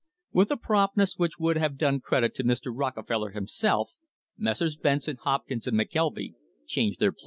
With a promptness which would have done credit to Mr. Rockefeller himself, Messrs. Benson, Hopkins and McKelvy changed their plan.